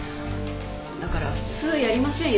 だから普通はやりませんよ。